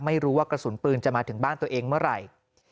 ไม่รู้ว่ากระสุนปืนจะมาถึงบ้านตัวเองเมื่อไหร่